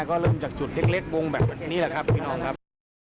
ก็เริ่มจากจุดเล็กวงแบบนี้แหละครับพี่น้องครับ